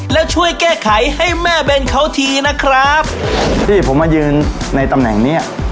แล้วช่วยแก้ไขให้แม่เบนเขาทีนะครับที่ผมมายืนในตำแหน่งเนี้ย